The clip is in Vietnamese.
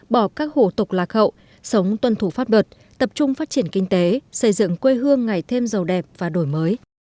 bỏ các hổ tục lạc hậu sống tuân thủ pháp luật tập trung phát triển kinh tế xây dựng quê hương ngày thêm giàu đẹp và đổi mới